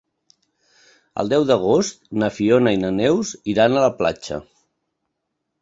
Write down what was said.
El deu d'agost na Fiona i na Neus iran a la platja.